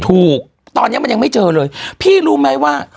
ถูกต้องตอนนี้มันยังไม่เจอเลยพี่รู้ไหมว่า